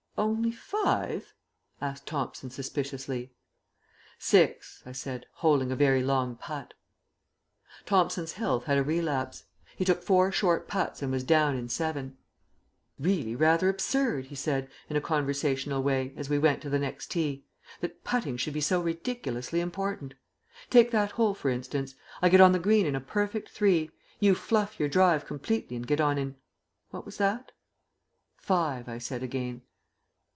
"Only five?" asked Thomson suspiciously. "Six," I said, holing a very long putt. Thomson's health had a relapse. He took four short putts and was down in seven. "It's really rather absurd," he said, in a conversational way, as we went to the next tee, "that putting should be so ridiculously important. Take that hole, for instance. I get on the green in a perfect three; you fluff your drive completely and get on in what was it?" "Five," I said again.